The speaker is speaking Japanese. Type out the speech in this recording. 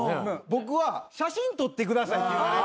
僕は写真撮ってくださいって。